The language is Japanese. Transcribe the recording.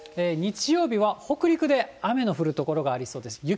日曜日は北陸で雨の降る所がありそうです。